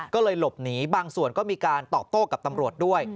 ก็เลยหลบหนีบางส่วนก็มีการตอบโต้กับตำรวจด้วย